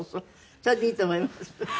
それでいいと思います。